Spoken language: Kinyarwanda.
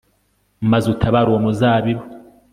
maze utabare uwo muzabibu